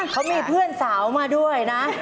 เขามีเพื่อนสาวมาด้วยนะ